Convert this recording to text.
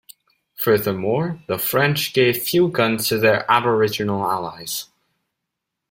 Furthermore, the French gave few guns to their aboriginal allies.